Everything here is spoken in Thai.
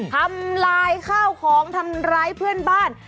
ทำลายข้าวของทำร้ายเพื่อนบ้าน